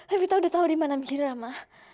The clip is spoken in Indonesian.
evita udah tau dimana mira ma